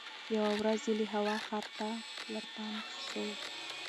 یوه ورځ یې له هوا ښار ته ورپام سو